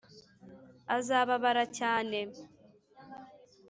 azababara cyane